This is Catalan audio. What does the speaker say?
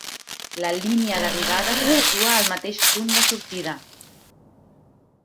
La línia d'arribada se situa al mateix punt de sortida.